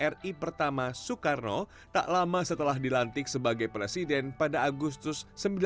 ri pertama soekarno tak lama setelah dilantik sebagai presiden pada agustus seribu sembilan ratus empat puluh lima